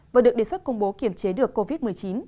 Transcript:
và được đề xuất công bố kiểm chế được covid một mươi chín